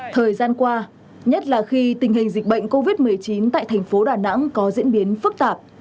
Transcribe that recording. thời gian qua nhất là khi tình hình dịch bệnh covid một mươi chín tại thành phố đà nẵng có diễn biến phức tạp